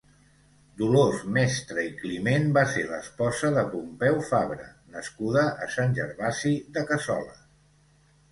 Dolors Mestre i Climent va ser l'esposa de Pompeu Fabra, nascuda a Sant Gervasi de Cassoles.